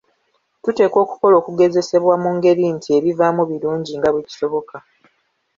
Tuteekwa okukola okugezesebwa mu ngeri nti ebivaamu birungi nga bwe kisoboka.